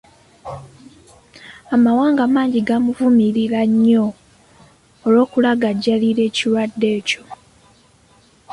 Amawanga mangi gamuvumirira nnyo olw'okulagajjalira ekirwadde ekyo.